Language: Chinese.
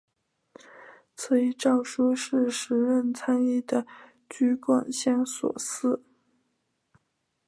此一诏书是时任参议的橘广相所拟。